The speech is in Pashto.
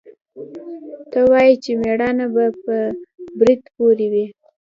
ته وا چې مېړانه به په برېت پورې وي.